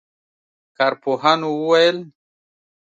کارپوهانو وویل